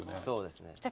そうですね。